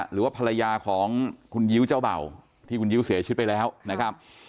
หรือว่าภรรยาของคุณยิ้วเจ้าเบ่าที่คุณยิ้วเสียชีวิตไปแล้วนะครับ